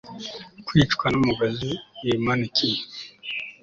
kwicwa n'umugozi wimanikiye